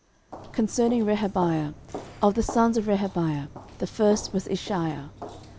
13:024:021 Concerning Rehabiah: of the sons of Rehabiah, the first was Isshiah.